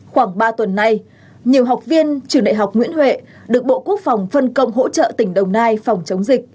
khoảng ba tuần nay nhiều học viên trường đại học nguyễn huệ được bộ quốc phòng phân công hỗ trợ tỉnh đồng nai phòng chống dịch